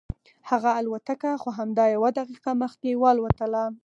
هغه الوتکه خو همدا یوه دقیقه مخکې والوتله.